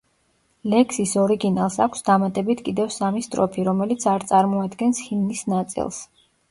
ლექსის ორიგინალს აქვს დამატებით კიდევ სამი სტროფი, რომელიც არ წარმოადგენს ჰიმნის ნაწილს.